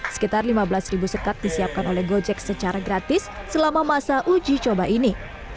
sekitar lima belas sekat disiapkan oleh gojek secara gratis selama masa uji coba ini